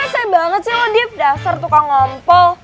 reset banget sih lu diep dasar tukang ngompol